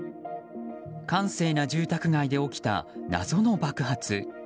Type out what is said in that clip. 閑静な住宅街で起きた謎の爆発。